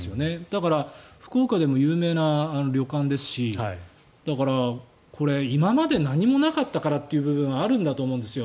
だから福岡でも有名な旅館ですしだから、これ今まで何もなかったからという部分あると思うんですよ。